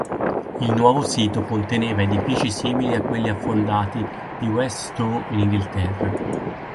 Il nuovo sito conteneva edifici simili ai quelli affondati di West Stow in Inghilterra.